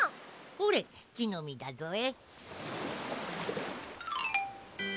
ほれきのみだぞえ。